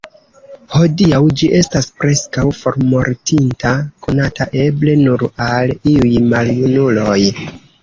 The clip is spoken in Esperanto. Hodiaŭ ĝi estas preskaŭ formortinta, konata eble nur al iuj maljunuloj.